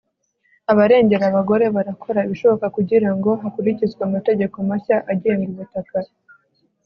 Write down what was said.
abarengera abagore barakora ibishoboka kugira ngo hakurikizwe amategeko mashya agenga ubutaka